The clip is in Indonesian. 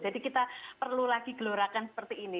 jadi kita perlu lagi gelorakan seperti ini